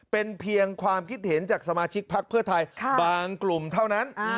เป็นเพียงความคิดเห็นจากสมาชิกพักเพื่อไทยบางกลุ่มเท่านั้น